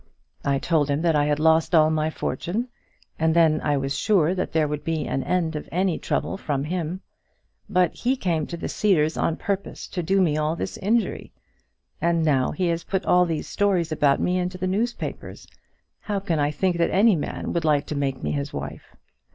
I told him that I had lost all my fortune, and then I was sure that there would be an end of any trouble from him; but he came to the Cedars on purpose to do me all this injury; and now he has put all these stories about me into the newspapers, how can I think that any man would like to make me his wife?